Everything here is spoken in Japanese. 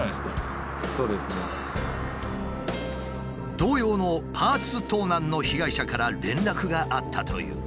同様のパーツ盗難の被害者から連絡があったという。